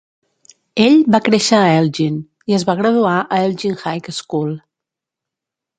Ell va créixer a Elgin i es va graduar a Elgin High School.